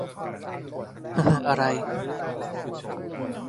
หึหึอาราย